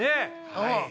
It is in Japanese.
はい。